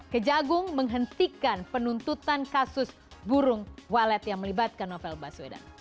kejagung menghentikan penuntutan kasus burung walet yang melibatkan novel baswedan